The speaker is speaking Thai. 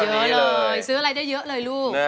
เยอะเลยซื้ออะไรได้เยอะเลยลูก